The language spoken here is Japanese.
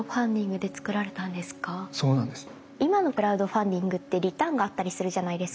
今のクラウドファンディングってリターンがあったりするじゃないですか？